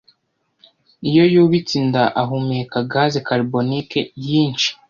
iyo yubitse inda ahumeka gaze carboniquen yinshi